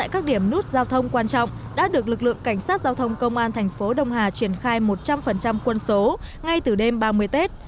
các điểm nút giao thông quan trọng đã được lực lượng cảnh sát giao thông công an thành phố đông hà triển khai một trăm linh quân số ngay từ đêm ba mươi tết